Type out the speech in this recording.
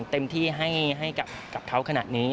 เต็มที่ให้กับเขาขนาดนี้